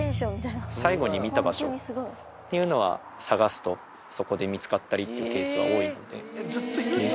最後に見た場所っていうのは、捜すと、そこで見つかったりっていうケースは多いので。